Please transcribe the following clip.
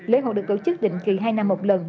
lễ hội được tổ chức định kỳ hai năm một lần